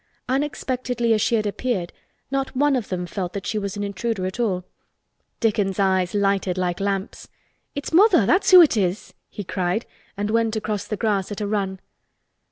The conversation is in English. Unexpectedly as she had appeared, not one of them felt that she was an intruder at all. Dickon's eyes lighted like lamps. "It's mother—that's who it is!" he cried and went across the grass at a run.